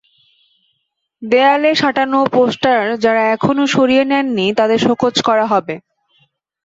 দেয়ালে সাঁটানো পোস্টার যাঁরা এখনো সরিয়ে নেননি, তাঁদের শোকজ করা হবে।